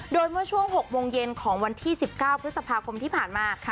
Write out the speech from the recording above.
โดยเมื่อช่วง๖โมงเย็นของวันที่๑๙พฤษภาคมที่ผ่านมา